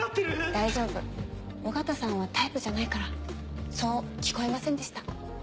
大丈夫緒方さんはタイプじゃないからそう聞こえませんでした。